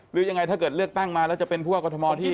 หรือยังไงถ้าเกิดเลือกตั้งมาแล้วจะเป็นผู้ว่ากรทมที่